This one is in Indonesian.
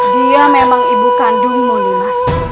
dia memang ibu kandung moni mas